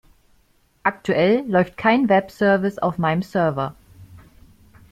Aktuell läuft kein Webservice auf meinem Server.